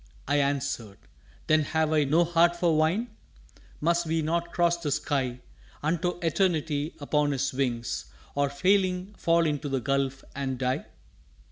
I answered. "Then have I No heart for Wine. Must we not cross the Sky Unto Eternity upon his wings Or, failing, fall into the Gulf and die?"